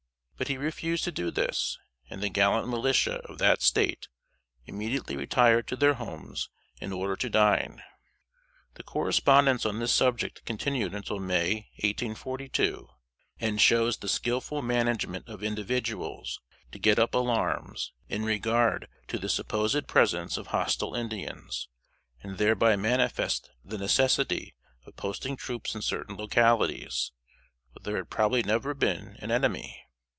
But he refused to do this, and the gallant militia of that State immediately retired to their homes in order to dine. The correspondence on this subject continued until May, 1842, and shows the skillful management of individuals to get up alarms in regard to the supposed presence of hostile Indians, and thereby manifest the necessity of posting troops in certain localities, where there had probably never been an enemy.